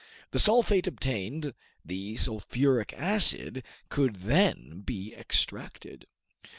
The sulphate obtained, the sulphuric acid could then be extracted.